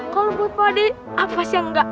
kalau buat pak adi apa sih yang enggak